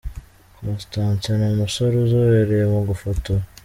Constantin ni umusore uzobereye mu gufotora.